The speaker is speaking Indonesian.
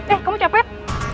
eh kamu capek